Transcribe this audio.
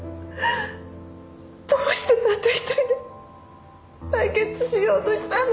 どうしてたった一人で対決しようとしたの？